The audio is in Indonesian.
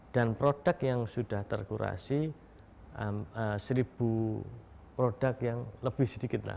dan produk yang sudah terkurasi seribu produk yang lebih sedikit lah